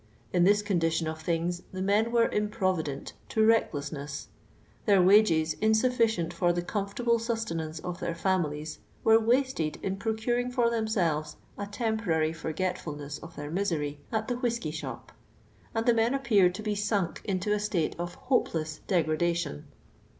in this ' condition of things the men were impnivident, to { reckleMue/iS : their wages, insullicient for tlie com ! fortiiblc fiustcnance of their families, were wa»ted I in procuring for themselves a temporary forgetful ness of their misery at the whiskey sb»p, and the < men appeared to be sunk into a state of hopeless I degradation.